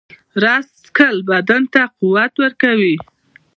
رس څښل بدن ته قوت ورکوي